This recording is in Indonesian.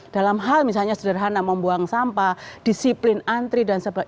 dalam hal misalnya sederhana membuang sampah disiplin antri dan sebagainya